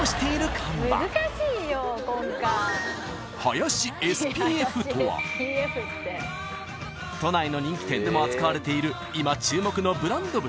［林ＳＰＦとは都内の人気店でも扱われている今注目のブランド豚］